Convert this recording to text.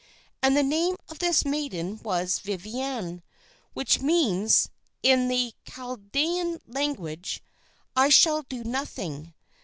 And the name of this maiden was Viviane, which means, in the Chaldæan language, I shall do nothing.